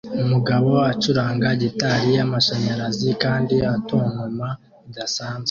Umugabo acuranga gitari y'amashanyarazi kandi atontoma bidasanzwe